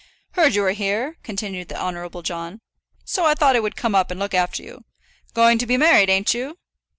"Heard you were here," continued the Honourable John; "so I thought I would come up and look after you. Going to be married, ain't you?"